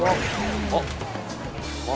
あっ！